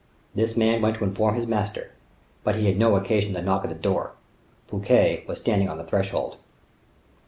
This man went to inform his master; but he had no occasion to knock at the door: Fouquet was standing on the threshold.